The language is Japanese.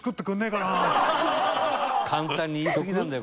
「簡単に言いすぎなんだよ